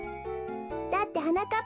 だってはなかっ